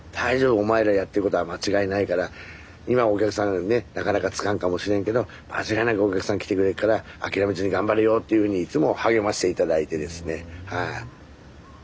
「お前らやってることは間違いないから今お客さんねなかなかつかんかもしれんけど間違いなくお客さん来てくれるから諦めずに頑張れよ」というふうにいつも励まして頂いてですねはい。